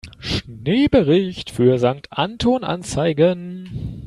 Schneebericht für Sankt Anton anzeigen.